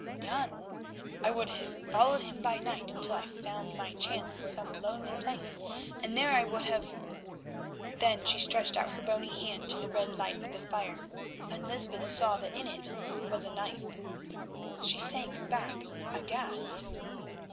"Done? I would have followed him by night until I found my chance in some lonely place, and there I would have——" Then she stretched out her bony hand to the red light of the fire, and Lysbeth saw that in it was a knife. She sank back aghast.